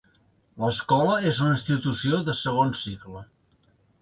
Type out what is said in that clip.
L'escola és una institució de segon cicle.